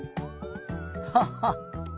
ハハッ！